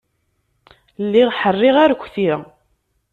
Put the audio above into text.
Lliɣ ḥerriɣ arekti.